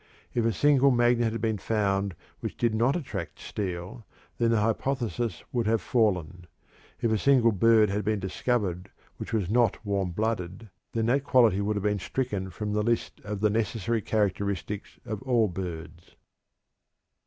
If a single magnet had been found which did not attract steel, then the hypothesis would have fallen. If a single bird had been discovered which was not warm blooded, then that quality would have been stricken from the list of the necessary characteristics of all birds.